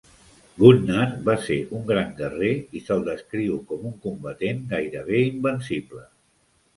Gunnar va ser un gran guerrer i se'l descriu com un combatent gairebé invencible.